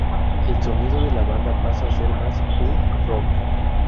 El sonido de la banda pasa a ser más punk rock.